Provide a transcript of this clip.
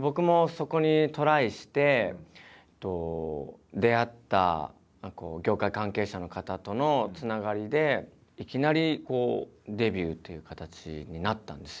僕もそこにトライして出会った業界関係者の方とのつながりでいきなりデビューっていう形になったんですよ。